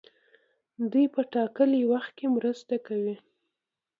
دوی په ټاکلي وخت کې مرسته کوي.